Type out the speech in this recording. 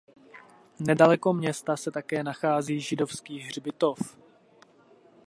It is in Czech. Nedaleko města se také nachází židovský hřbitov.